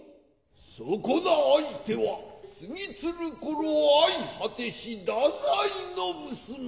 「そこな相手は過ぎつる頃相果てし太宰の娘」。